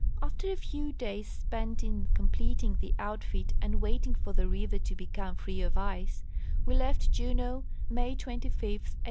After a few days spent in completing the outfit and waiting for the river to become free of ice, we left Juneau May 25, 1891.